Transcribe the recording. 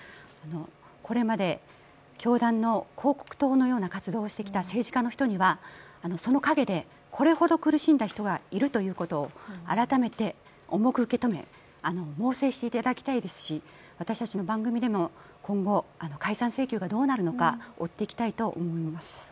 これまで教団の広告塔のような活動をしてきた政治家の人にはその陰で、これほど苦しんできた人がいることを改めて重く受け止め猛省していただきたいですし私たちの番組でも今後、解散請求がどうなるのか追っていきたいと思います。